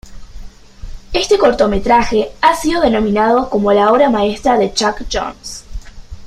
Este cortometraje ha sido denominado como la obra maestra de Chuck Jones.